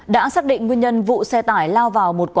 đã xác định nguyên nhân vụ xe tải lao vào một cửa